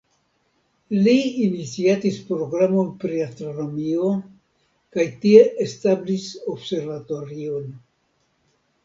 Li iniciatis programon pri astronomio kaj tie establis observatorion.